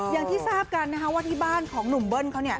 อย่างที่ทราบกันนะคะว่าที่บ้านของหนุ่มเบิ้ลเขาเนี่ย